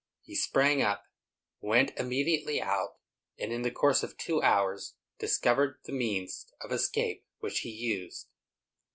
He sprang up, went immediately out, and, in the course of two hours, discovered the means of escape which he used.